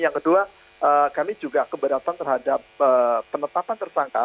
yang kedua kami juga keberatan terhadap penetapan tersangka